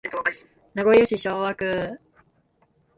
名古屋市昭和区